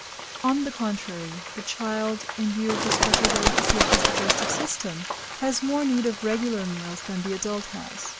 On the contrary, the child, in view of the special delicacy of his digestive system, has more need of regular meals than the adult has.